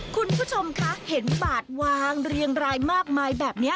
คุณผู้ชมคะเห็นบาดวางเรียงรายมากมายแบบนี้